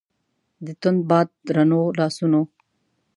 د توند باد درنو لاسونو